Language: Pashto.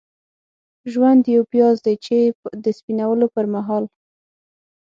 ژوند یو پیاز دی چې د سپینولو پرمهال.